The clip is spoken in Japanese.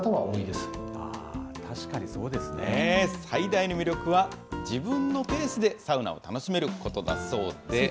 最大の魅力は、自分のペースでサウナを楽しめることだそうで。